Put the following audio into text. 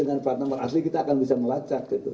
karena dengan plat nomor asli kita akan bisa melacak gitu